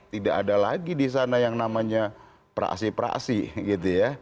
tidak ada lagi di sana yang namanya praasi praasi gitu ya